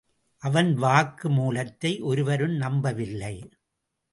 அவன் வாக்கு மூலத்தை ஒருவரும் நம்பவில்லை.